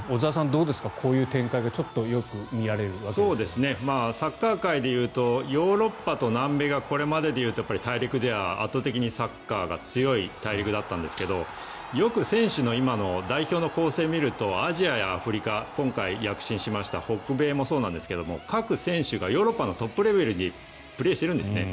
どうですかこういう展開がサッカー界でいうとヨーロッパと南米がこれまででいうと大陸では圧倒的にサッカーが強い大陸だったんですがよく選手の今の代表の構成を見るとアジアやアフリカ今回躍進しました、北米もそうなんですが各選手がヨーロッパのトップレベルでプレーをしているんですね。